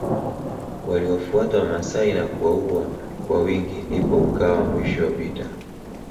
Waliwafuata wamasai na kuwaua kwa wingi ndipo ukawa mwisho wa vita